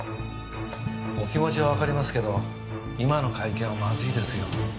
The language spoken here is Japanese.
お気持ちはわかりますけど今の会見はまずいですよ。